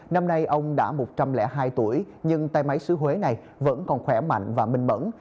năm nay ông đã một trăm linh hai tuổi nhưng tay máy xứ huế này vẫn còn khỏe mạnh và minh mẫn